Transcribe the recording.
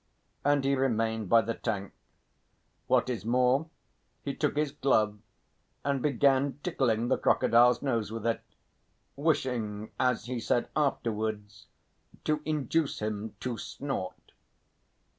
And he remained by the tank. What is more, he took his glove and began tickling the crocodile's nose with it, wishing, as he said afterwards, to induce him to snort.